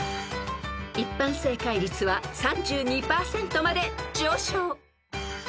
［一般正解率は３２％まで上昇］